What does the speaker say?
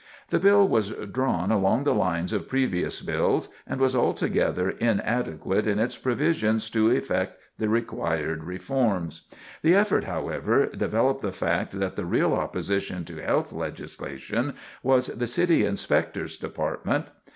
The bill was drawn along the lines of previous bills, and was altogether inadequate in its provisions to effect the required reforms. The effort, however, developed the fact that the real opposition to health legislation was the City Inspector's Department.